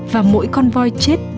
và mỗi con voi chết